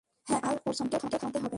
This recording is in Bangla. হ্যাঁ, আর ওরসনকেও থামাতে হবে।